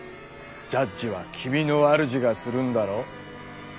ジャッジは君の主がするんだろ。